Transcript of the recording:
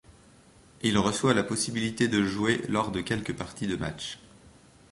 Il reçoit la possibilité de jouer lors de quelques parties de matchs.